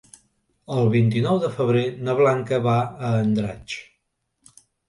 El vint-i-nou de febrer na Blanca va a Andratx.